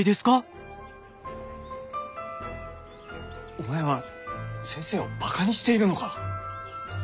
お前は先生をバカにしているのか？